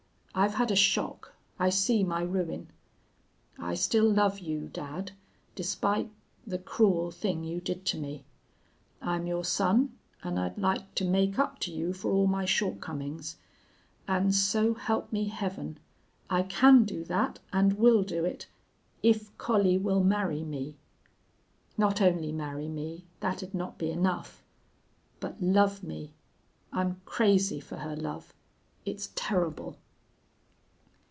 I've had a shock. I see my ruin. I still love you, dad, despite the cruel thing you did to me. I'm your son and I'd like to make up to you for all my shortcomings. And so help me Heaven! I can do that, and will do it, if Collie will marry me. Not only marry me that'd not be enough but love me I'm crazy for her love. It's terrible.'